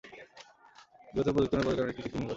বিবর্তনের প্রযুক্তিগত প্রয়োগের একটি হলো কৃত্রিম নির্বাচন।